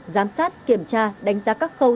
giám sát kiểm tra đánh giá các khâu